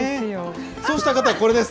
そうした方、これです。